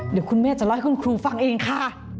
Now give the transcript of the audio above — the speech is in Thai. เดี๋ยวคุณแม่จะเล่าให้คุณครูฟังเองค่ะ